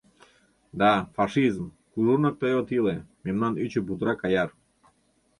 Да, фашизм, кужунак тый от иле, Мемнан ӱчӧ путырак аяр.